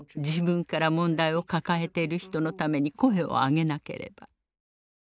自分から問題を抱えている人のために声を上げなければ。